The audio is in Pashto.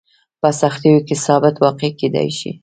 په سختیو کې ثابت واقع کېدای شي.